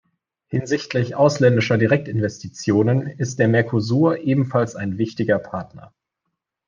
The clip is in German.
Hinsichtlich ausländischer Direktinvestitionen ist der Mercosur ebenfalls ein wichtiger Partner.